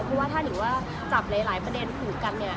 เพราะว่าถ้านิ่งว่าจับหลายประเด็นผูกกันเนี่ย